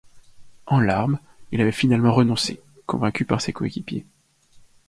En larmes, il avait finalement renoncé, convaincu par ses coéquipiers.